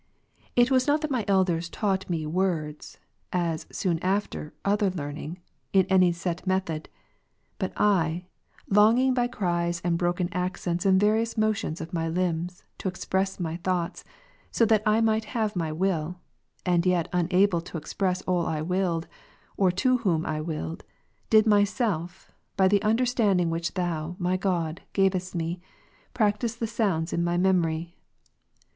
It was not that my elders taught me words (as, soon after, other learning) in any set method ; but I, longing by cries and broken accents and various motions of my limbs to express my thoughts, that so I might have my will, and yet unable to express all I willed, or to whom I willed, did myself, by the understanding which Thou, my God, gavest me, practise the sounds in my memory.